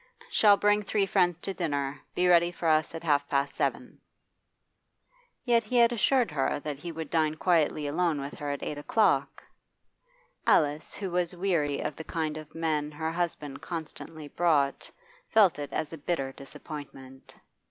'Shall bring three friends to dinner. Be ready for us at half past seven.' Yet he had assured her that he would dine quietly alone with her at eight o'clock. Alice, who was weary of the kind of men her husband constantly brought, felt it as a bitter disappointment.